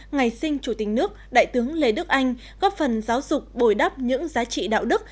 ngày sinh chủ tịch nước đại tướng lê đức anh góp phần giáo dục bồi đắp những giá trị đạo đức